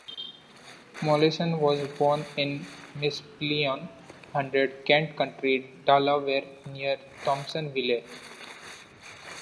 Molleston was born in Mispillion Hundred, Kent County, Delaware, near Thompsonville.